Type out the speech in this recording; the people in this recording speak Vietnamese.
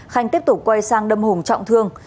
khanh tiếp tục quay sang đâm hùng trọng thương